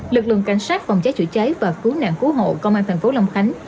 lực lượng cảnh sát phòng cháy chữa cháy và cứu nạn cứu hộ công an thành phố long khánh